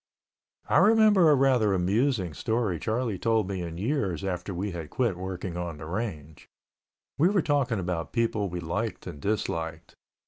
I remember a rather amusing story Charlie told me in years after we had quit working on the range. We were talking about people we liked and disliked.